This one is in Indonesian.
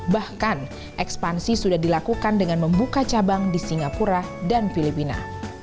bahkan ekspansi sudah dilakukan dengan membuka cabang di singapura dan filipina